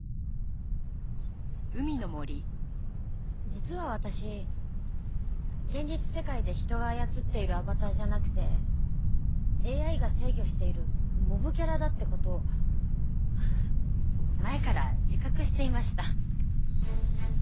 実は私現実世界で人が操っているアバターじゃなくてＡＩが制御しているモブキャラだって事前から自覚していました。